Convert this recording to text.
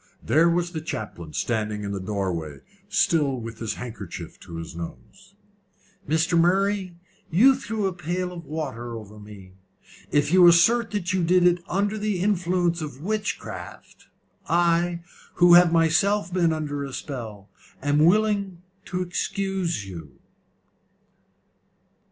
There was the chaplain standing in the doorway still with his handkerchief to his nose. "Mr. Murray, you threw a pail of water over me. If you assert that you did it under the influence of witchcraft, I, who have myself been under a spell, am willing to excuse you."